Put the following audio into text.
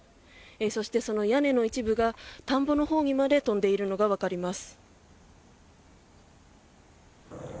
そして、その屋根の一部が田んぼのほうにまで飛んでいるのがわかります。